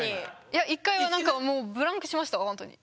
いや１回は何かもうブランクしましたほんとに。